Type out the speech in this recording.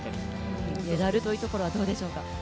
メダルというところはどうでしょうか？